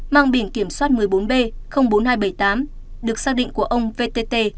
mang biển kiểm soát một mươi bốn b bốn nghìn hai trăm bảy mươi tám được xác định của ông vtt